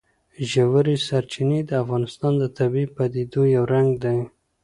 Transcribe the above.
ژورې سرچینې د افغانستان د طبیعي پدیدو یو رنګ دی.